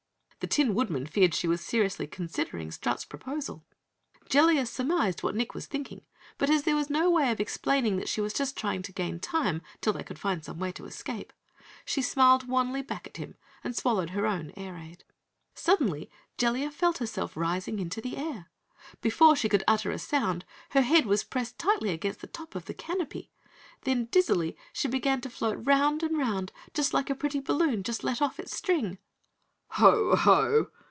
The Tin Woodman feared she was seriously considering Strut's proposal. Jellia surmised what Nick was thinking, but as there was no way of explaining that she was just trying to gain time till they could find some way to escape, she smiled wanly back at him and swallowed her own air ade. Suddenly Jellia felt herself rising into the air. Before she could utter a sound, her head was pressed tightly against the top of the canopy. Then, dizzily, she began to float 'round and 'round like a pretty balloon just let off its string. "Ho, Ho!"